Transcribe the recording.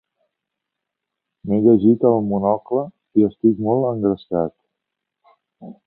M'he llegit el Monocle i estic molt engrescat.